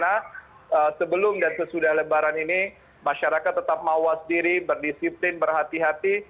karena sebelum dan sesudah lebaran ini masyarakat tetap mawas diri berdisiplin berhati hati